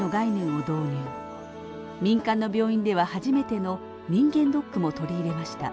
民間の病院では初めての人間ドックも取り入れました。